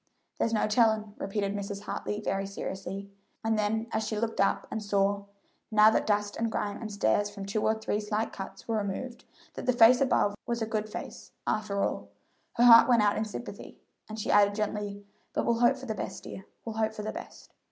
"There's no tellin'," repeated Mrs. Hartley very seriously; and then as she looked up and saw, now that dust and grime and the stains from two or three slight cuts were removed, that the face above was a good face, after all, her heart went out in sympathy, and she added gently, "but we'll hope for the best, dear we'll hope for the best.